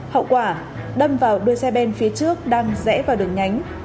hậu quả đâm vào đuôi xe ben phía trước đang rẽ vào đường nhánh